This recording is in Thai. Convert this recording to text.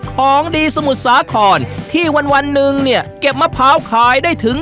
ของดีสมุทรสาครที่วันหนึ่งเนี่ยเก็บมะพร้าวขายได้ถึง